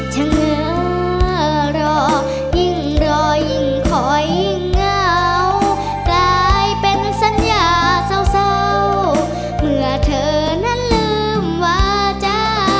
ชะเหงือรอยิ่งรอยิ่งคอยเงาตายเป็นสัญญาเศร้าเศร้าเมื่อเธอนั้นลืมว่าจะ